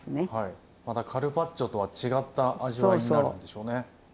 またカルパッチョとは違った味わいになるんでしょうね。